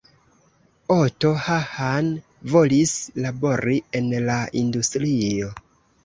Otto Hahn volis labori en la industrio.